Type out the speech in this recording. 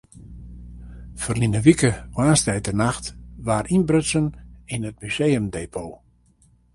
Ferline wike woansdeitenacht waard ynbrutsen yn it museumdepot.